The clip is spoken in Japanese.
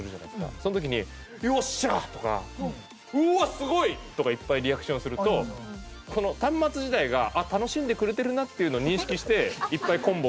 その時に「よっしゃ！」とか「うわっ！すごい！」とかいっぱいリアクションするとこの端末自体が楽しんでくれてるなっていうのを認識して。